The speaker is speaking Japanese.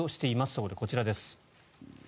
そこでこちらです。